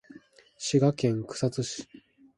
滋賀県草津市